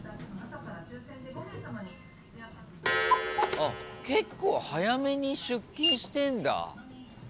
あっ結構早めに出勤してんだ。